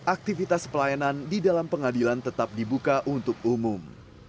aktivitas pelayanan di dalam pengadilan tetap dibuka untuk umum